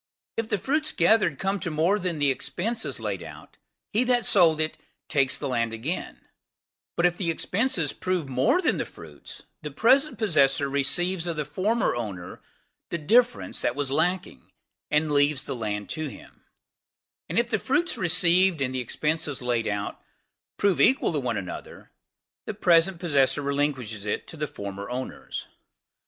If the fruits gathered come to more than the expenses laid out, he that sold it takes the land again; but if the expenses prove more than the fruits, the present possessor receives of the former owner the difference that was wanting, and leaves the land to him; and if the fruits received, and the expenses laid out, prove equal to one another, the present possessor relinquishes it to the former owners.